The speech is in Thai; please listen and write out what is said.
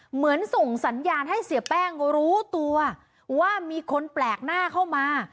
เหมือนส่งสัญญาณให้เสียแป้งรู้ตัวว่ามีคนแปลกหน้าเข้ามา